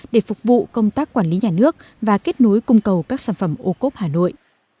để phục vụ công tác quản lý nhà nước và kết nối cung cầu các sản phẩm ô cốp hà nội